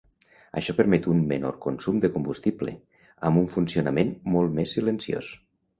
Això permet un menor consum de combustible, amb un funcionament molt més silenciós.